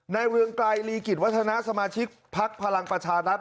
ในเวืองกายลีกิจวัฒนะสมาชิกภักดิ์พลังประชานัตริย์